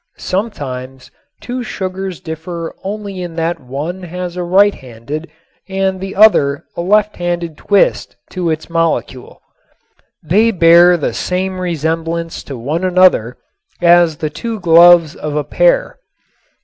Sometimes two sugars differ only in that one has a right handed and the other a left handed twist to its molecule. They bear the same resemblance to one another as the two gloves of a pair.